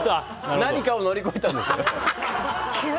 何かを乗り越えたんですよ。